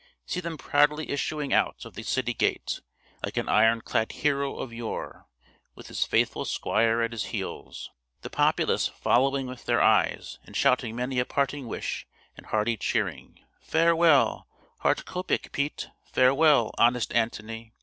See them proudly issuing out of the city gate, like an iron clad hero of yore, with his faithful squire at his heels; the populace following with their eyes, and shouting many a parting wish and hearty cheering, Farewell, Hardkoppig Piet! Farewell, honest Antony!